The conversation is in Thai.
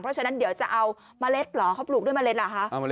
เพราะฉะนั้นเดี๋ยวจะเอาเมล็ดเหรอเขาปลูกด้วยเมล็ดเหรอคะ